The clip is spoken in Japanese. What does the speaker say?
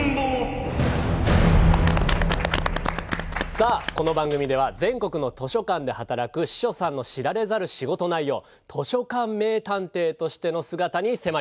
さあこの番組では全国の図書館で働く司書さんの知られざる仕事内容図書館名探偵としての姿に迫ります。